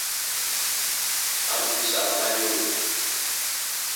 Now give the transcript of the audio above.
A mukúsa mamá nyólo.